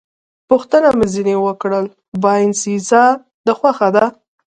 پوښتنه مې ځنې وکړل: باینسېزا دې خوښه ده؟